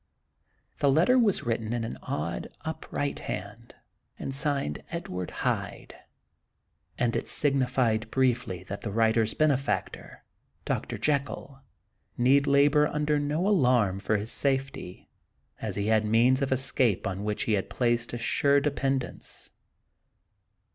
The letter was written in an odd, up right hand, and signed "Edward Hyde;" and it signified briefly that the writer's benefactor, Dr. Jekyll, need labor under no alarm for his safety, as he had means of escape on which he placed a sure dependence.